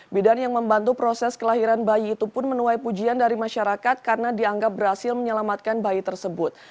bidan yang membantu proses kelahiran bayi itu pun menuai pujian dari masyarakat karena dianggap berhasil menyelamatkan bayi tersebut